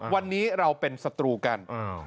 วันนี้เราเป็นศัตรูกัน